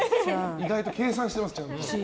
意外と計算していますね。